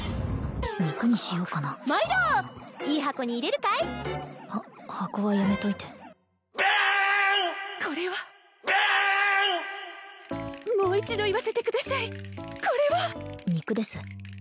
肉にしようかな毎度！いい箱に入れるかい？は箱はやめといてこれはもう一度言わせてくださいこれは肉です